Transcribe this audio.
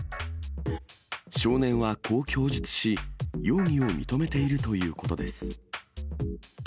少年はこう供述し、容疑を認めているということです。